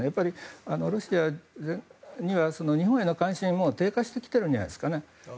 ロシアは、日本への関心も低下してきているんじゃないんですかね。